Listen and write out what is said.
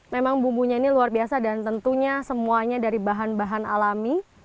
memang bumbunya ini luar biasa dan tentunya semuanya dari bahan bahan alami